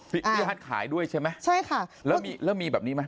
พี่ฮัทขายด้วยใช่ไหมนะแล้วมีแบบนี้ไหมจริงไหม